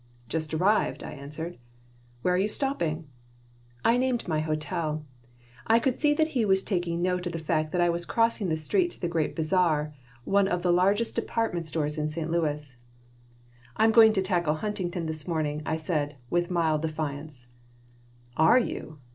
"Just arrived," I answered "Where are you stopping?" I named my hotel. I could see that he was taking note of the fact that I was crossing the street to the Great Bazar, one of the largest department stores in St. Louis "I am going to tackle Huntington this morning," I said, with mild defiance "Are you?